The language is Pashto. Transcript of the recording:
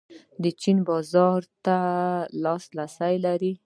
د چین بازار ته لاسرسی لرو؟